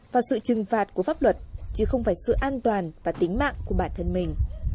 và sự trừng phạt của pháp luật chứ không phải sự an toàn và tính mạng của bản thân mình